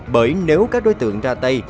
bởi nếu các đối tượng ra tay